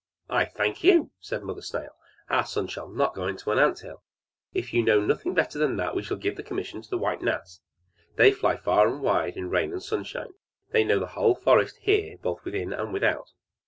"I thank you!" said Mother Snail. "Our son shall not go into an ant hill; if you know nothing better than that, we shall give the commission to the white gnats. They fly far and wide, in rain and sunshine; they know the whole forest here, both within and without."